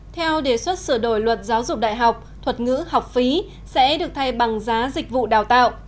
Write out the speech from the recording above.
theo đề xuất sửa đổi luật giáo dục đại học thuật ngữ học phí sẽ được thay bằng giá dịch vụ đào tạo